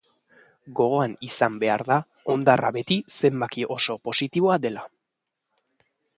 Gogoan izan behar da hondarra beti zenbaki oso positiboa dela.